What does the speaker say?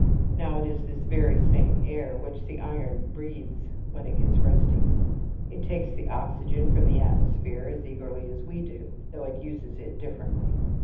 Now it is this very same air which the iron breathes when it gets rusty. It takes the oxygen from the atmosphere as eagerly as we do, though it uses it differently.